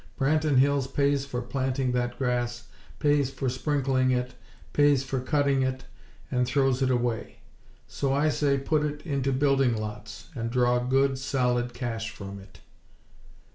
Branton Hills pays for planting that grass, pays for sprinkling it, pays for cutting it and throws it away! So I say, put it into building lots, and draw good, solid cash from it."